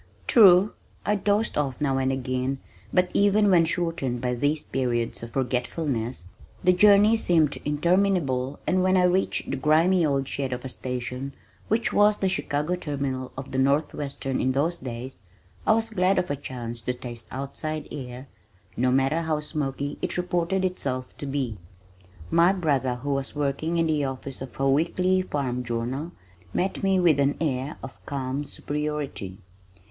True, I dozed off now and again but even when shortened by these periods of forgetfulness, the journey seemed interminable and when I reached the grimy old shed of a station which was the Chicago terminal of the Northwestern in those days, I was glad of a chance to taste outside air, no matter how smoky it reported itself to be. My brother, who was working in the office of a weekly farm journal, met me with an air of calm superiority.